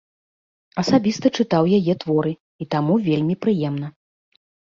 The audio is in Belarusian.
Асабіста чытаў яе творы, і таму вельмі прыемна.